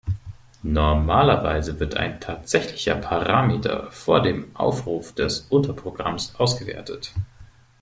Normalerweise wird ein tatsächlicher Parameter vor dem Aufruf des Unterprogramms ausgewertet.